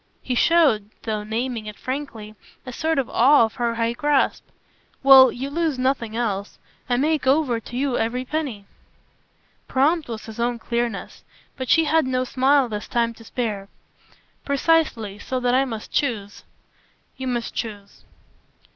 He showed, though naming it frankly, a sort of awe of her high grasp. "Well, you lose nothing else. I make over to you every penny." Prompt was his own clearness, but she had no smile this time to spare. "Precisely so that I must choose." "You must choose."